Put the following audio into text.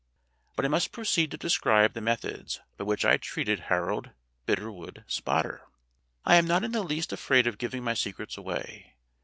But I must proceed to describe the methods by which I treated Harold Bitterwood Spotter. I am not in the least afraid of giving my secrets away.